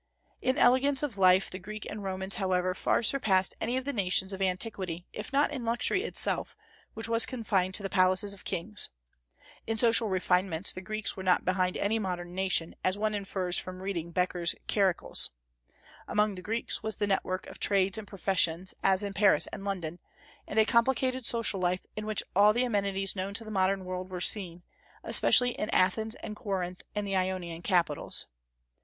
In elegance of life the Greeks and Romans, however, far surpassed any of the nations of antiquity, if not in luxury itself, which was confined to the palaces of kings. In social refinements the Greeks were not behind any modern nation, as one infers from reading Becker's Charicles. Among the Greeks was the network of trades and professions, as in Paris and London, and a complicated social life in which all the amenities known to the modern world were seen, especially in Athens and Corinth and the Ionian capitals.